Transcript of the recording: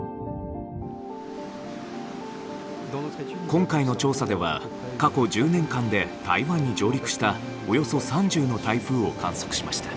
今回の調査では過去１０年間で台湾に上陸したおよそ３０の台風を観測しました。